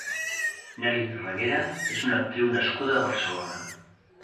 Nely Reguera és una actriu nascuda a Barcelona.